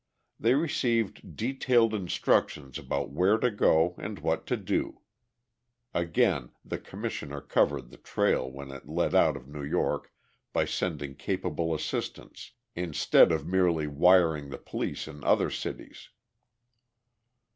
They received detailed instructions about where to go and what to do. Again the Commissioner covered the trail when it led out of New York by sending capable assistants, instead of merely wiring the police in other cities.